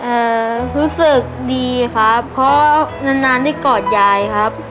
เอ่อรู้สึกดีครับเพราะนานนานได้กอดยายครับ